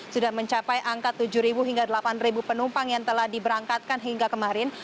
sudah mencapai angka tujuh hingga delapan penumpang yang telah diberangkatkan hingga kemarin